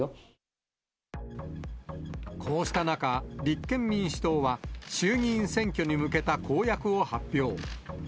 こうした中、立憲民主党は、衆議院選挙に向けた公約を発表。